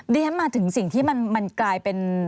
เลี้ยงมาถึงสิ่งที่มันกลายเป็น